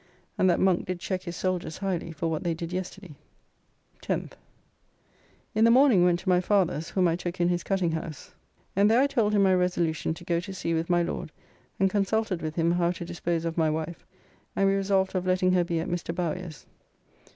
And that Monk did check his soldiers highly for what they did yesterday. 10th. In the morning went to my father's, whom I took in his cutting house, [His father was a tailor, and this was his cutting out room.] and there I told him my resolution to go to sea with my Lord, and consulted with him how to dispose of my wife, and we resolved of letting her be at Mr. Bowyer's.